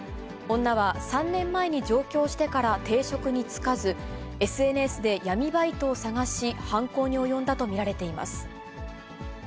女は３年前に上京してから定職に就かず、ＳＮＳで闇バイトを探し、犯行に及んだと見られています。